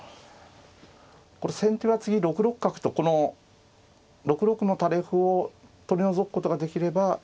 これ先手は次６六角とこの６六の垂れ歩を取り除くことができれば一安心。